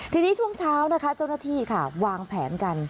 ทีนี้ช่วงเช้านะคะเจ้าหน้าที่ค่ะวางแผนกัน